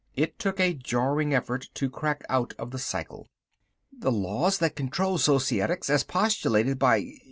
It took a jarring effort to crack out of the cycle. "The laws that control Societics, as postulated by